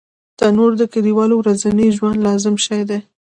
تنور د کلیوالو ورځني ژوند لازم شی دی